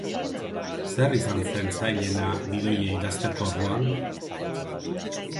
Zer izan zen zailena gidoia idazteko orduan?